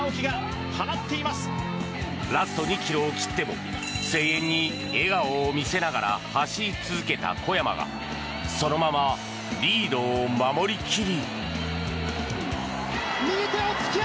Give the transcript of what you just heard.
ラスト２ｋｍを切っても声援に笑顔を見せながら走り続けた小山がそのままリードを守り切り。